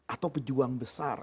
atau pejuang besar